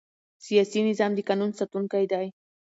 سیاسي نظام د قانون ساتونکی دی